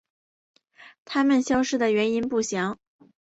它们消失的原因不详。